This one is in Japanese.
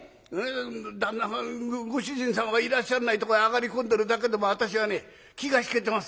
旦那さんご主人様がいらっしゃらないとこへ上がり込んでるだけでも私はね気が引けてますわ。